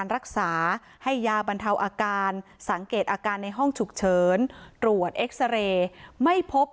รักษาให้ยาบรรเทาอาการสังเกตอาการในห้องฉุกเฉินตรวจเอ็กซาเรย์ไม่พบ